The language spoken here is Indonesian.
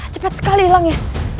cepat sekali hilangnya